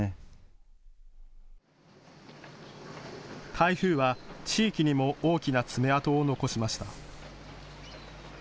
台風は地域にも大きな爪痕を残しました。